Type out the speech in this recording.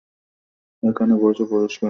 এখানে বসে পরিষ্কার করে কিছুই বলা যাচ্ছে না!